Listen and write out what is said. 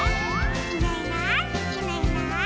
「いないいないいないいない」